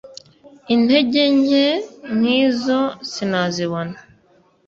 intege nke nkizo sinazibona